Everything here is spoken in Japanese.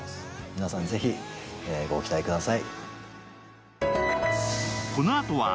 皆さんぜひご期待ください。